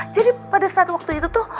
jadi pada saat waktu itu tuh